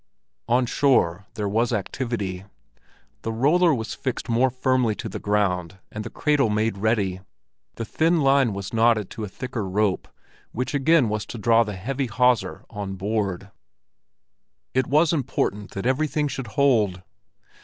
On shore there was activity. The roller was fixed more firmly to the ground and the cradle made ready; the thin line was knotted to a thicker rope, which again was to draw the heavy hawser on board: it was important that everything should hold.